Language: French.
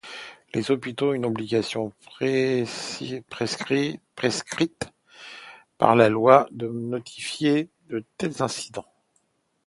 Les hôpitaux ont une obligation prescrite par la loi de notifier de tels incidents.